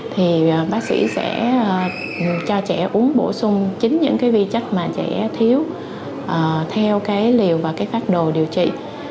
thì bác sĩ sẽ cho trẻ uống bổ sung chính những vi chất mà trẻ thiếu theo liều và phát đồ điều trị